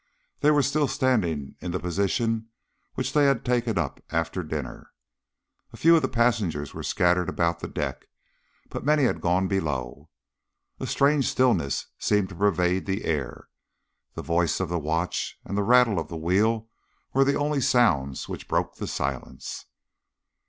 They were still standing in the position which they had taken up after dinner. A few of the passengers were scattered about the deck, but many had gone below. A strange stillness seemed to pervade the air. The voices of the watch and the rattle of the wheel were the only sounds which broke the silence.